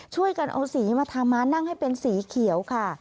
ช่วยกันเอาสีมาทำมานั่งให้เป็นสีเขียวค่ะ